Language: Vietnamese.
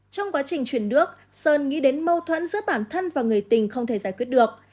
trong quá trình chuyển nước sơn nghĩ đến mâu thuẫn giữa bản thân và người tình không thể giải quyết được